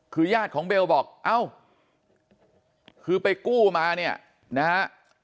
คือญาติของเบลบอกเอ้าคือไปกู้มาเนี่ยนะฮะ